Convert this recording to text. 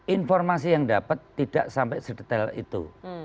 informasi yang dapat tidak sampai sedetail itu